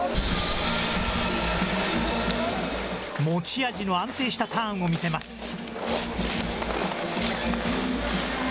持ち味の安定したターンを見せます。